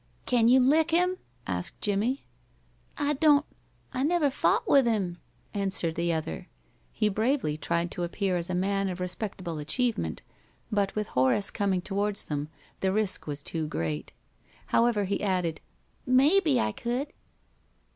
"Can you lick him?" asked Jimmie. "I don't I never fought with 'im," answered the other. He bravely tried to appear as a man of respectable achievement, but with Horace coming towards them the risk was too great. However, he added, "Maybe I could."